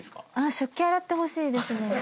食器洗ってほしいですね。